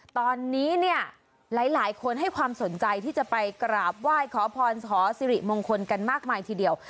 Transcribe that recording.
ตอนนี้เนี่ยหลายคนให้ความสนใจที่จะไปกราบไหว้ขอพรขอสิริมงคลกันมากมายทีเดียว